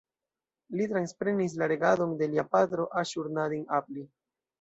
Li transprenis la regadon de lia patro Aŝur-nadin-apli.